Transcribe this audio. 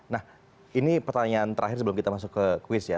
nah ini pertanyaan terakhir sebelum kita masuk ke kuis ya